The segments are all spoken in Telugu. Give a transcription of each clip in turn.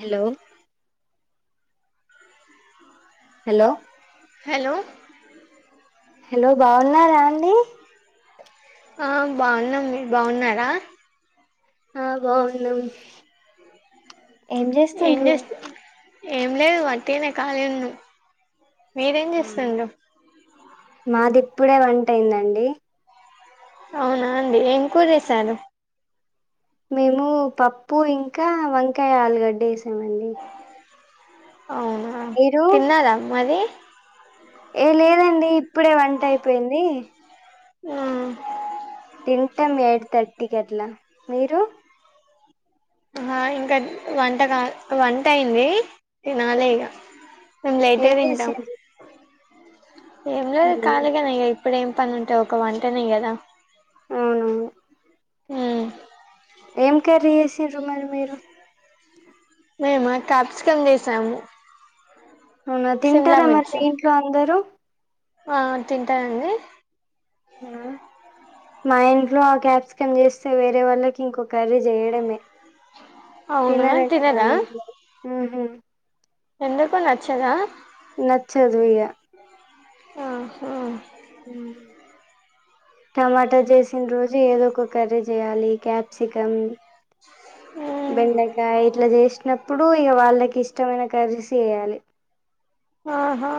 హలో హలో హలో హలో బాగున్నారా అండి ఆ బాగున్నాం మీరు బాగున్నారా ఆ బాగున్నాం ఏం ఏం చేస్తుండ్రు చేస్తు ఏం లేదు వట్టిగానే కాలిగున్నాం మాది ఇప్పుడే వంట అయిందండి అవునా అండి ఏం కూరచేశారు మేము పప్పు ఇంకా వంకాయ ఆలుగడ్డ చేసామండి అవునా తిన్నారా మరి ఏ లేదండి ఇప్పుడే వంట అయిపోయింది ఊ తింటాం ఎయిట్ థర్టీకట్లా మీరు హ ఇంకా వంట కా వంట అయింది తినాలె ఇగ మేము లేట్గా ఏం తింటం చేసిండ్రు ఏంలేదు కళిగానే ఇగ ఇప్పుడేమ్ పనుంటది ఒక వంటనే కదా అవునవును హుమ్ ఏం కర్రీ చేసిన్రు మరి మీరు మేమా కాప్సికం చేసాము అవునా సిమ్లా తింటారా మరి మిర్చి మీ ఇంట్లో అందరూ ఆ తింటరండి న్నా మా ఇంట్లో ఆ కాప్సికం చేస్తే వేరే వాళ్ళకి ఇంకొకర్రీ చేయడమే అవునా తినరండి మా తినరా ఇంట్లో ఉహు ఎందుకు నచ్చదా నచ్చదు ఇగ ఆహ ఊ టమాటా చేసిన రోజు ఏదో ఒక కర్రీ చేయాలి క్యాప్సికం మ్మ్ బెండకాయ ఇట్లా జేషిన ఇప్పుడు ఇక వాళ్ళకి ఇష్టమైన కర్రీస్ చేయాలి ఆహా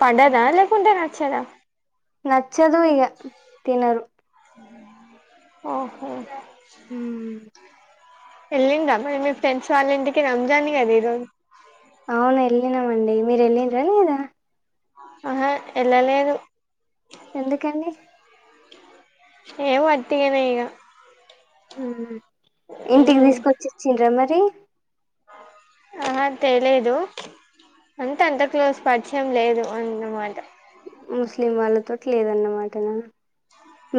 పడదా లేకుంటే నచ్చదా నచ్చదు ఈగ తినరు ఓహో ఉ వెళ్లింరా మరి మీ ఫ్రెండ్స్ వాళ్ళింటికి రంజాన్ కదా ఈరోజు అవును వెళ్ళినామండి మీరు వెళ్ళండ్రా లేదా ఆహా ఎల్లాలేదు ఎందుకండి ఏ వట్టిగానే ఇగ ఇంటికి మ్మ్ తీసుకొచ్చి ఇచ్చిండ్రా మరి ఆహా తెలేదు అంటే అంత క్లోజ్ పరిచయం లేదు అందన్నమాట ముస్లిం వాళ్ళతోటి లేదన్నమాట నను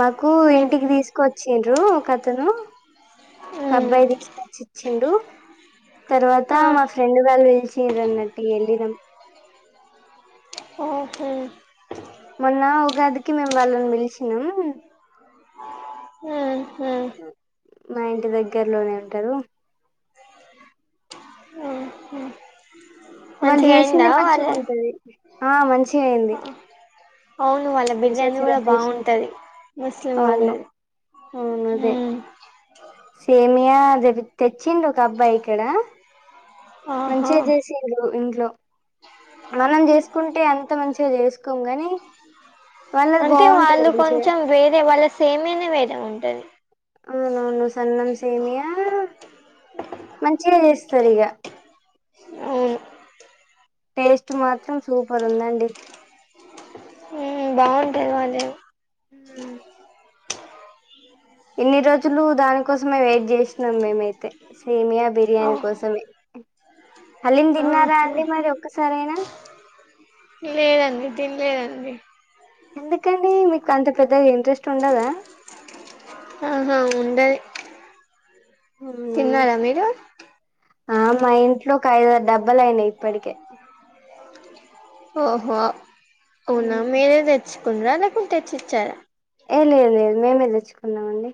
మాకు మీ ఇంటికి తీసుకోచ్చిండ్రు ఒకతను ఒక మ్మ్ అబ్బాయి తీసుకొచ్చిచ్చిండు తర్వాత ఆ మా ఫ్రెండ్ వాళ్ళు పిలిచ్ చీరన్నట్టిగేళ్ళినం ఓహో మొన్న ఉగాదికి మేము వాళ్ళని పిలిచినాం హుమ్ మా ఇంటి దగ్గరలోనే ఉంటారు మ్ హు వాళ్ళు మంచిగా చేసింది అయిందా మంచిగా వాళ్ళ ఉంటది ఆ మంచిగ అయింది అవును వాళ్ళ మంచిగా బిర్యానీ కూడా సెలబ్రేషన్స్ బాగుంటది ముస్లిం వాళ్ళది అవునదే ఉమ్ సేమియా అది తెచ్చిండు ఒక అబ్బాయి ఇక్కడ ఆహా మంచిగా చేసిండ్లు ఇంట్లో మనం చేసుకుంటే అం త మంచిగా చేసుకోం గని అంటే వాళ్ళు కొంచెం వేరే వాళ్ళ సేమ్యనే వేరే ఉంటది అవునవును సన్నం సేమియా మంచిగా చేస్ స్తారిగ ఆ టేస్ట్ మాత్రం సూపర్ ఉందండి హుమ్ బాగుంటాది వాళ్ళది హు ఇన్ని రోజులు దానికోసమే వెయిట్ చేస్తున్నాం మీమైతే సేమియా బిర్యానీ అవ్ కోసమే హాలిం తిన్నారా ఆహా అండి మరి ఒక్కసారైనా తిన్లేదండి ఎందుకండి మీకు అంత పెద్దగ ఇంట్రెస్ట్ ఉండదా ఆహా అవునా తిన్నారా మీరు ట్లో ఒక ఐదు ఆరు డబ్బలు అయినాయ్ ఇప్పటికే ఓహో అవునా ఉమ్. మీరే తెచ్చుకుంన్ర లేకు తెచ్చిచ్చారా ఏ లేదు లేదు మేమే తెచ్చుకున్నామండి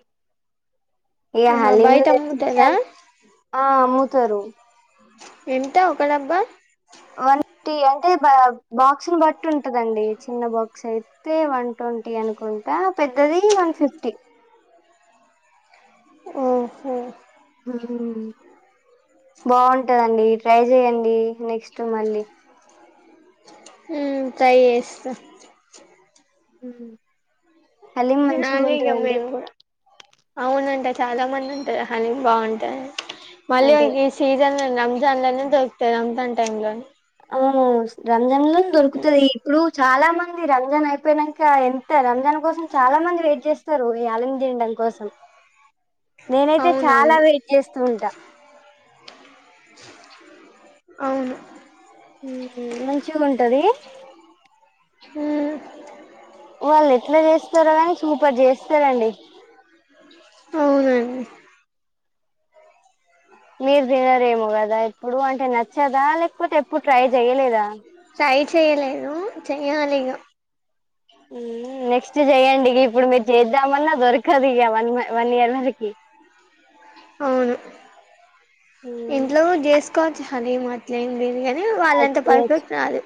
ఇగా ఆహా హలీంలు బయట తెచ్చి ఇచ్చే అమ్ముతారా అంత ఆ అమ్ముతరు ఎంత ఒక డబ్బా వన్టీ అంటే బా బాక్స్ని బట్టి ఉంటదండి చిన్న బాక్స్ అయి తె వన్ ట్వంటీ అనుకుంటా పెద్దది వన్ ఫిఫ్టీ మ్ హు బాగుంటదండి ట్రై చెయండి నెక్స్ట్ మళ్ళీ హుమ్ ట్రై చేస్తా హలీం మంచిగా ఉంటదండి అవునంటా చాలా మంది ఉంటారు హలిం బాగుంటదన్ మళ్ళీ అదే గి సీజన్ రమ్జాన్లోనే దొరుకుతది రంజాన్ టైమ్ లోనే హు రంజన్ లోనే దొరుకుతది ఇప్పుడు చాలా మంది రంజాన్ అయిపోనంక ఎంత రంజాన్ కోసం చాలా మంది వెయిట్ చేస్తారు ఈ హాలిం తిన్ కోసం నినైతే చాలా అవునవును వెయిట్ చేస్తూ ఉంటా అవును మంచిగా ఉంటది హుమ్ వాళ్ళు ఎట్లా చేస్తారో గని సూపర్ చేస్తారండి అవునండి మీరు తినరేమో కదా ఇప్పుడు అంటే నచ్చదా లేకపోతే ఎప్పుడు ట్రై చెయలేదా చెయలేదు చెయ్యాలిగా ఎమ్మో నెక్స్ట్ చేయండి ఇగ ఇప్పుడు మీరు చేద్దామన్నా దొరకదు ఇగ వన్ వన్ ఇయర్ వరకి [inaudible] అవును ఇంట్లో చేసుకోవచ్చు హలీమ్ అట్లనే బిర్యానీ అ వాళ్ళంత చేయచ్చు పర్ఫెక్ట్ కాదు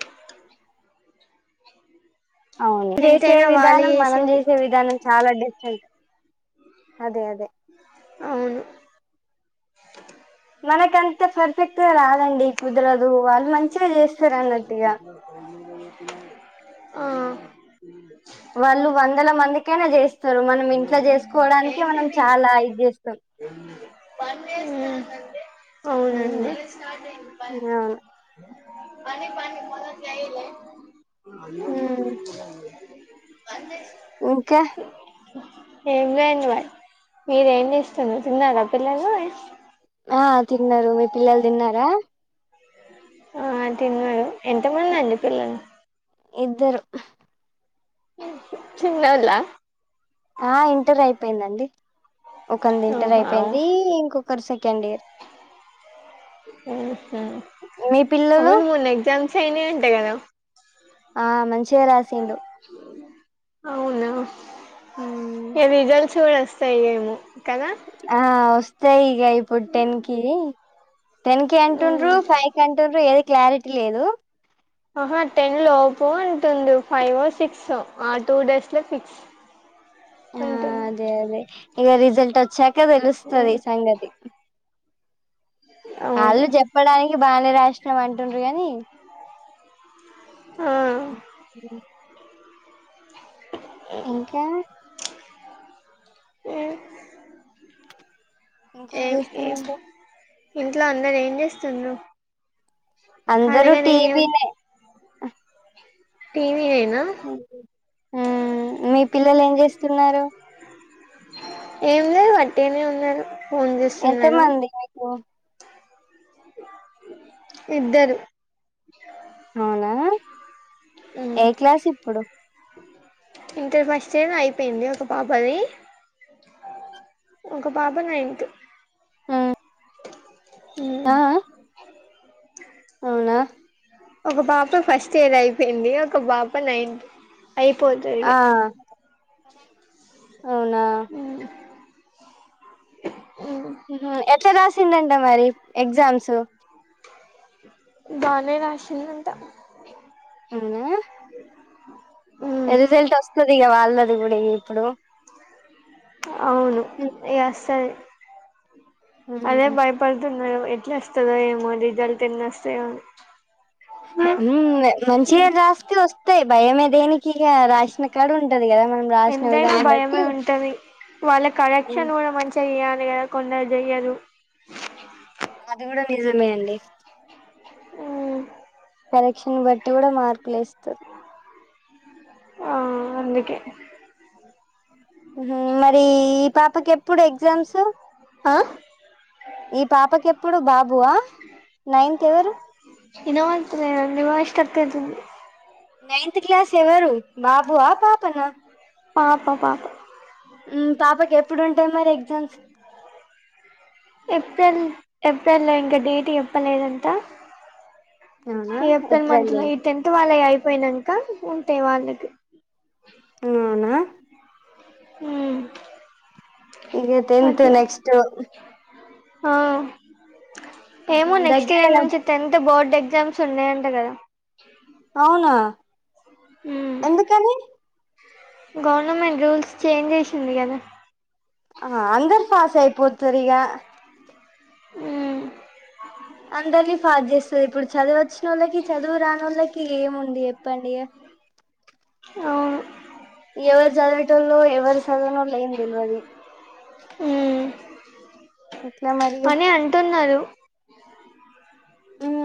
అవును చేసే ఎంతైనా వాళ్ళు విధానం మనం చేసింది చేసే విధానం చాలా డిఫరెంట్ అదే అదే అవును మనకంత పర్ఫెక్ట్గా రాదండి కుదరదు వాళ్ళు మంచిగా చేస్తారు అన్నట్టుగా ఆ వాళ్ళు వందల మందికైనా చేస్తారు మనం ఇంట్లో చేసుకోవడానికే మనం చాలా ఇది చేస్తం హ్మ్మ్ ఉమ్, అవునండి అవును పని పాని పనులు చేయాలె ఉమ్, పంచెస్కో ఇంకా ఎంజొయింగ్ మీరు ఏం చేస్తున్రు తిన్నారా పిల్లల్ ని ఆ తిన్నారు మీ పిల్లలు తిన్నారా ఆ తిన్నారు ఎంత మంది అండి పిల్లలు ఇద్దరు చిన్నోలా ఆ ఇంటర్ అయిపోయిందండి ఒకలిది ఇంటర్ ఓహో అయిపోయింది ఇంకొకరి సె న్డ్ ఇయర్ ఉహామ్ మీ పిల్లలు అవును మూన్న ఎగ్జామ్స్ అయినా అంట కదా ఆ మంచిగా రాసిండు అవునా ఉమ్. ఏ రజల్ట్స్ కూడా వస్తాయి ఏమో కదా అ వస్తాయి ఇగ ఇప్పుడు టెన్ కీ టెన్ కి అంటుండ్రు ఉమ్. ఫైవ్ కి అంటుండ్రు ఏది క్లారిటీ లేదు ఆహా టెన్ లోపోల అంటుంరు ఫైవ్ ఓ సిక్స్ ఆ టూ డేస్ లో ఫిక్స్ [inaudible] ఆ అంటుంది అదే అదే ఇగా రిజల్ట్ వచ్చాక తెలుస్తుంది ఉమ్. ఈ సంగతి అవును వాళ్ళు చెప్పడానికి బానే రాసినాం అంటుండ్ర కానీ ఆ [unintelligible] ఇంకా [unintelligible] ఆ ఇంకేం చేస్తున్నట్లు ఇంట్లో అందరూ ఏం చేస్తుండ్రు అందరూ ఖాళీగానే టీవీనే టీవీ హ్మ్మ్ మీ పిల్లలు ఏం చేస్తున్నారు ఏం లేదు అట్టేనే ఉన్నారు ఫోన్ ఎంత చూస్తున్నారు మంది మీకు ఇద్దరు అవునా మ్మ్ ఏ క్లాస్ ఇప్పుడు ఇంటర్ ఫస్ట్ ఇయర్ అయిపోయింది ఒక పాపది ఒక పాప నైన్త్ ఉమ్, హ్మ్మ్ ఆ అవునా ఒక పాప ఫస్ట్ ఇయర్ అయిపోయింది ఒక పాప నైన్త్ అయిపోతది ఆ అవునా మ్మ్ [inaudible] ఉహు ఎట్లా రాసిందంటే మరి ఎగ్జామ్స్ బానే రాసిందంట. మ్మ్ ఎల్జల్ట్ వస్తది. ఇగ వాళ్ళది కూడా ఇ ఇప్పుడు అవును ఇగ వస్తది. అదే భయపడుతున్ ఎట్లొస్తదో ఏమో అని రిజల్ట్ ఎన్నొస్తాయో అని ఉమ్ మంచిగా రాస్తే వస్త్ భయమే దేనికి ఇగ రాసిన కాడ ఉంటది. కదా మనం రాసిన విదాన్ బట్టి వాళ్ల కరెక్షన్ కూడా మంచిగా చేయాలి. కదా కొందరు చెయ్యరు. అది కూడా నిజమే అండి. మ్మ్ కరెక్షన్ బట్టి కూడా మార్కులు ఏస్తారు. ఆ అందుకే ఉహుం మరి ఈ పాపకి ఎప్పుడు ఎగ్జామ్స్ ఆ ఈ పాపకి ఎప్పుడు బాబువా నైన్త్ ఎవరు? వినపడతేలండి వాయిస్ స్ట్రక్ అయితుంది. నైన్త్ క్లాస్ ఎవరు బాబువా పాపనా? ఆ ప ప పాప పాపకి ఎప్పుడు ఉంటాయి మరి ఎగ్జామ్స్ ఏప్రిల్ ఏప్రిల్ లో ఇంకా డేట్ చెప్పలేదంట ఈ ఏప్రిల్ మంత్ లో ఈ టెన్త్ వాళ్ళవి అయిపోయినంక ఉంటాయి వాళ్ళకి ఆ అవునా ఉమ్ ఇగ టెన్త్ అట్లా నెక్స్ట్ ఆ ఆహా ఏమో నెక్స్ట్ ఇయర్ దగ్గరేనా నుంచి టెన్త్ బోర్డ్ ఎగ్ ఎగ్జామ్స్ ఉండయంట గదా అవునా ఉమ్ ఎందుకని? గవర్నమెంట్ రూల్స్ చేంజ్ చేసింది కదా. ఆ అందరు పాస్ అయిపోతారు ఇగ ఉమ్ అందరినీ పాస్ చేస్తది. ఇప్పుడు చదువు వచ్చిన వాళ్ళకి చదువు రాని వాళ్ళకి ఏముంది చెప్పండి ఇగ అవును ఎవరు చదివేటల్లో ఎవరు చదవనల్లో ఏమి తెలువది. ఉమ్ ఎట్లా మరిగా అని అంటున్నరు.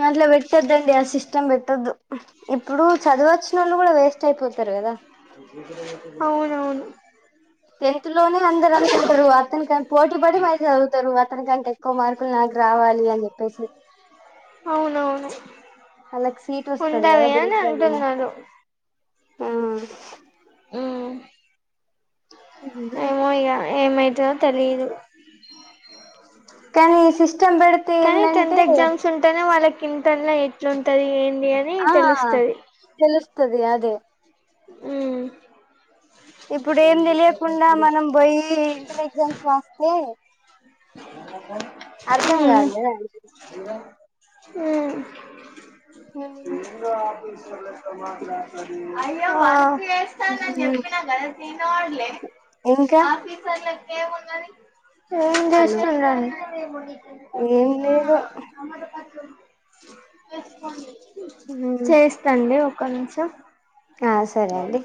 అట్ల పెట్టొద్దండి ఆ సిస్టమ్ పెట్టొద్దు. ఇప్పుడు చదువు వచ్చినోళ్లు కూడా వేస్ట్ అయిపోతారు కదా. అవునవును టెన్త్ లోను అందరు అనుకుంటారు అతనిక పోటీ పడి మళ్ళీ చదువుతారు అతనికంటే ఎక్కువ మార్కులు నాకు రావాలి అని చెపే తసి అవును అలాక్ సీట్ వస్తది కదా ఉండవి అని దేంట్లో అయినా అంటున్నారు ఆ ఉమ్ ఆ ఏమో ఇగ ఏమయితదో తెలిదు. కానీ ఈ సిస్టమ్ పెడితే కానీ ఏందంటే టెన్త్ ఎగ్జామ్స్ ఉంటేనే వాళ్ళకి ఇంటర్ ల ఎట్లుంటంది ఏం ఆ తెలుస్తది అదే ఉమ్ ఇప్పుడు ఏం తెలియకుండా మనం పోయి ఇంటర్ ఎగ్జామ్స్ రాస్తే అర్ధం ఉమ్ కాదూకదండి. ఉమ్ ఏమో అయ్యో వా చేస్తానని ఉమ్, చెప్పిన గా తిను ఇంకా ఏమ్ హలో చేస్తున్నాం పేముని ఏం లేదు వ ఉమ్, చేస్తాండి ఒక నిషం ఆ సరే అండి